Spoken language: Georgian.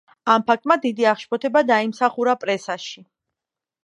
ამ ფაქტმა დიდი აღშფოთება დაიმსახურა პრესაში.